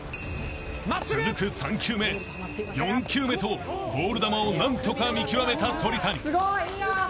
［続く３球目４球目とボール球を何とか見極めた鳥谷］